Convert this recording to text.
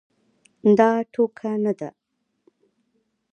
دا ټوکه نه ده.